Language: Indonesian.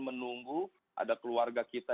menunggu ada keluarga kita